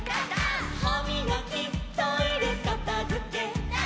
「はみがきトイレかたづけ」「」